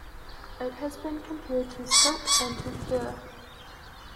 It has been compared to silk, and to fur.